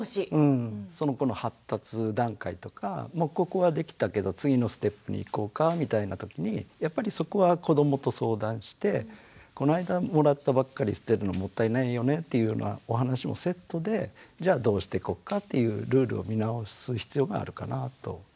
その子の発達段階とかもうここはできたけど次のステップにいこうかみたいな時にやっぱりそこは子どもと相談してこの間もらったばっかり捨てるのもったいないよねっていうようなお話もセットでじゃあどうしてこっかっていうルールを見直す必要があるかなと。